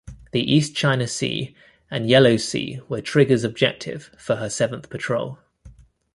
The East China Sea and Yellow Sea were "Trigger"'s objective for her seventh patrol.